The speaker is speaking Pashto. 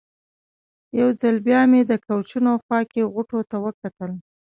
یو ځل بیا مې د کوچونو خوا کې غوټو ته وکتل.